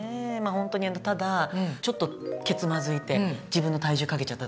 ホントにただちょっと蹴つまずいて自分の体重かけちゃっただけなんだけど。